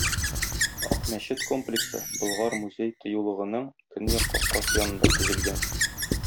Ак мәчет комплексы Болгар музей-тыюлыгының Көньяк капкасы янында төзелгән.